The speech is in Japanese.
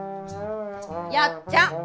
やっちゃん！